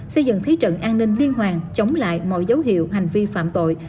xây dựng thế trận an ninh liên hoàng chống lại mọi dấu hiệu hành vi phạm tội